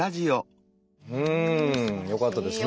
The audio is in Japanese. うんよかったですね。